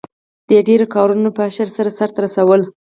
دې ډېر کارونه په اشر سره سرته رسول.